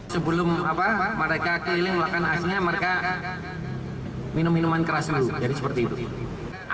sebelum mereka keliling melakukan aslinya mereka minum minuman keras dulu jadi seperti itu